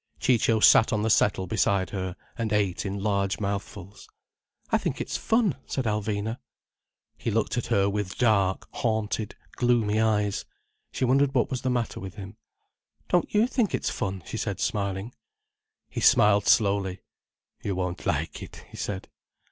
Ciccio sat on the settle beside her, and ate in large mouthfuls. "I think it's fun," said Alvina. He looked at her with dark, haunted, gloomy eyes. She wondered what was the matter with him. "Don't you think it's fun?" she said, smiling. He smiled slowly. "You won't like it," he said.